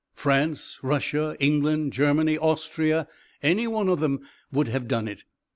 France, Russia, England, Germany, Austria, any one of them would have done it.